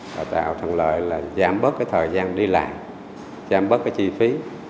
và tạo thần lời là giảm bớt cái thời gian đi làm giảm bớt cái chi phí